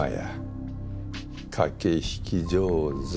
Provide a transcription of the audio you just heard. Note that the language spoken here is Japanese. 駆け引き上手。